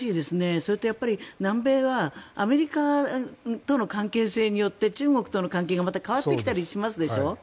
それと、南米はアメリカとの関係性によって中国との関係がまた変わってきたりしますでしょ。